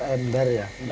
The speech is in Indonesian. empat ember ya